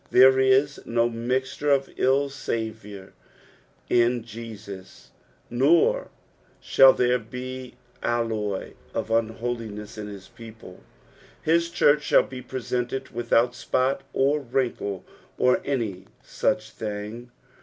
There ia no mixture of ill savour in Jesus, nor shall there be alloy of unholinesa in his people, bis church shall be preseoted without spot or vriukle, or any such thing.